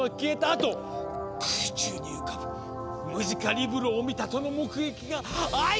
あと空中に浮かぶムジカリブロを見たとの目撃が相次いだのです！